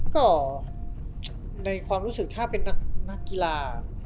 ก็ในความรู้สึกถ้าเป็นนักกีฬา